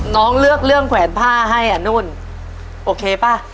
น้องเลือกเรื่องแขวนผ้าให้อ่ะนุ่นโอเคป่ะ